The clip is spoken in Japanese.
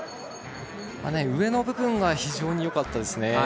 上の部分は非常によかったですね。